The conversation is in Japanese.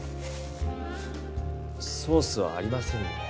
ソースはありませんね。